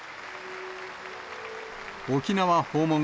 沖縄訪問